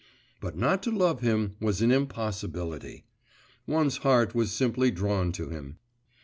But not to love him was an impossibility; one's heart was simply drawn to him.